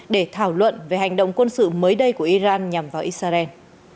để thảo luận về hành động quân sự mới đây của iran nhằm vào israel